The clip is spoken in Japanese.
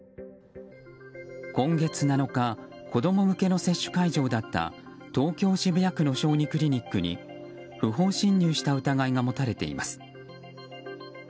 今月７日子供向けの接種会場だった東京・渋谷区の小児クリニックに不法侵入した疑いが持たれています。